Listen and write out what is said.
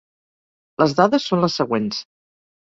Les dades són les següents:.